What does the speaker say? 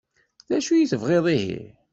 D acu i tebɣiḍ ihi?